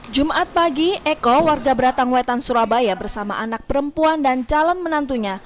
jumat pagi eko warga beratang wetan surabaya bersama anak perempuan dan calon menantunya